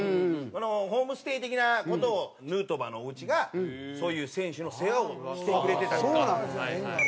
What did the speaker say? ホームステイ的な事をヌートバーのおうちがそういう選手の世話をしてくれてたりとか。